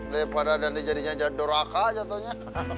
daripada nanti jadinya jadur akal jatohnya